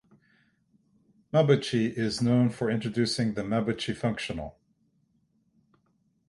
Mabuchi is known for introducing the Mabuchi functional.